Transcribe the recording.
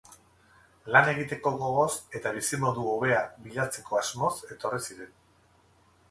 Lan egiteko gogoz eta bizimodu hobea bilatzeko asmoz etorri ziren.